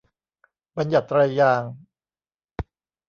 บัญญัติไตรยางศ์